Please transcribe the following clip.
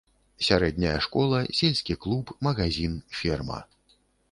Сярэдняя школа, сельскі клуб, магазін, ферма.